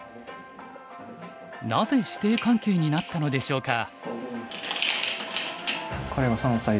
なぜ師弟関係になったのでしょうか。